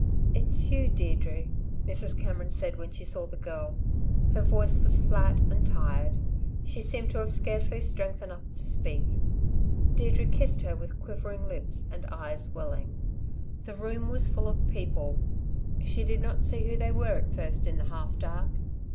"It's you, Deirdre!" Mrs. Cameron said when she saw the girl. Her voice was flat and tired; she seemed to have scarcely strength enough to speak. Deirdre kissed her with quivering lips, and eyes welling. The room was full of people. She did not see who they were at first in the half dark.